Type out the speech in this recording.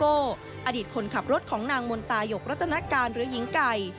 อดิษฐ์คนน้ำจากขับรถของนางมนตาหยกลัตนการหรือหญิงไก่